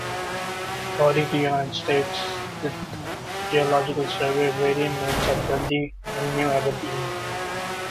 According to the United States Geological Survey, variant names are "Dundee" and "New Aberdeen".